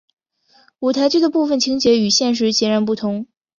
舞台剧的部分情节与现实截然不同。